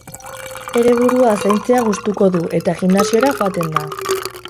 Bere burua zaintzea gustuko du eta gimnasiora joaten da.